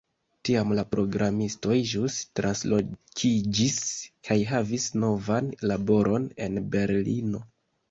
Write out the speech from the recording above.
Tiam la programistoj ĵus translokiĝis kaj havis novan laboron en Berlino.